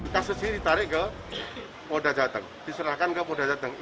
kasus ini ditarik ke polda jawa tengah diserahkan ke polda jawa tengah